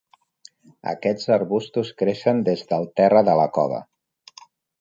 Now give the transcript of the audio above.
Aquests arbustos creixen des del terra de la cova.